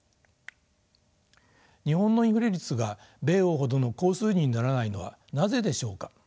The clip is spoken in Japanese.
日本のインフレ率が米欧ほどの高水準にならないのはなぜでしょうか。